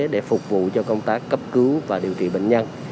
để phục vụ cho công tác cấp cứu và điều trị bệnh nhân